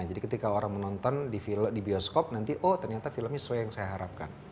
jadi ketika orang menonton di bioskop nanti oh ternyata filmnya sesuai yang saya harapkan